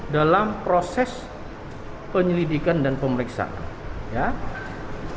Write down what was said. dalam proses penyelidikan dan pemeriksaan